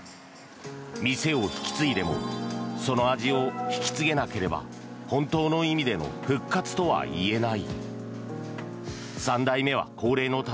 店を引き継いでもその味を引き継げなければ本当の意味での復活とは言えない。